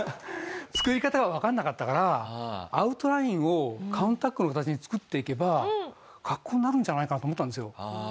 作り方がわかんなかったからアウトラインをカウンタックの形に作っていけば格好なるんじゃないかと思ったんですよ。